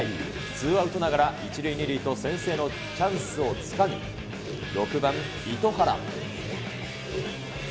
ツーアウトながら１塁２塁と先制のチャンスをつかみ、６番糸原。